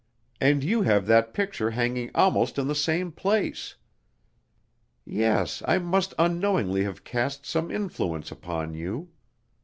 And you have that picture hanging almost in the same place! Yes, I must unknowingly have cast some influence upon you.